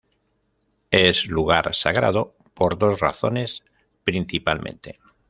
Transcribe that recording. Es lugar sagrado por dos razones principalmente.